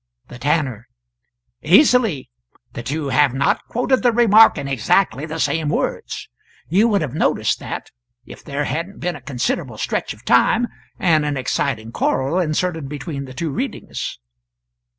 The Tanner. "Easily. The two have not quoted the remark in exactly the same words. You would have noticed that, if there hadn't been a considerable stretch of time and an exciting quarrel inserted between the two readings."